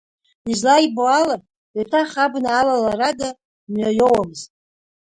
Излаибо ала, еиҭах абна алалара ада мҩа иоуамызт.